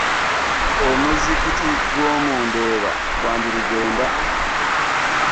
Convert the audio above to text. Omuzikiti gw'omu Ndeeba gwandirugenda.